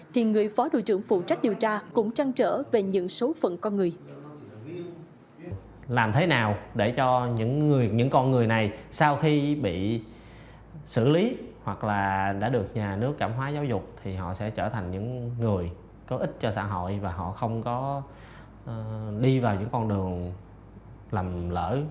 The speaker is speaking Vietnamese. thì người phó thủ trưởng phụ trách điều tra cũng trăn trở về những số phận con người